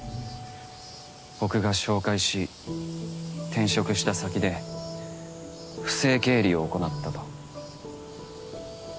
僕が紹介し転職した先で不正経理を行なったと。